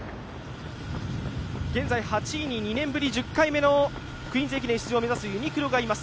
現在、８位に２年ぶり１０回目の「クイーンズ駅伝」出場を目指すユニクロがいます。